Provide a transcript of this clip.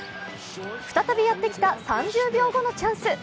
再びやってきた３０秒後のチャンス。